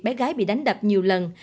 bé gái bị đánh đập nhiều lần